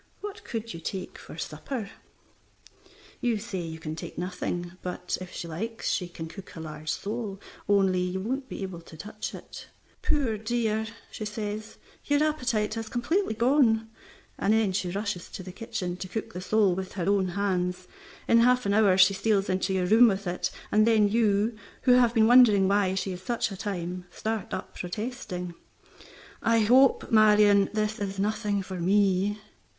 What could you take for supper?" You say you can take nothing, but if she likes she can cook a large sole, only you won't be able to touch it. "Poor dear!" she says, "your appetite has completely gone," and then she rushes to the kitchen to cook the sole with her own hands. In half an hour she steals into your room with it, and then you (who have been wondering why she is such a time) start up protesting, "I hope, Marion, this is nothing for me."